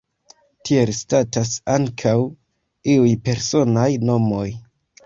Tiel statas ankaŭ iuj personaj nomoj.